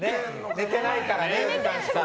寝てないからね。